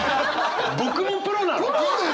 僕もプロなの！？